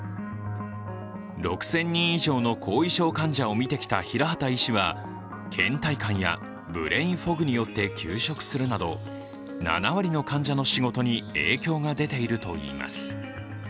６０００人以上の後遺症患者を診てきた平畑医師はけん怠感やブレインフォグによって休職するなど７割の患者の仕事に影響が出ているといいます。